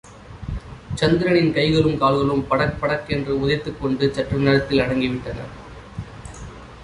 சந்திரனின் கைகளும் கால்களும் படக் படக் என்று உதைத்துக் கொண்டு, சற்று நேரத்தில் அடங்கி விட்டன.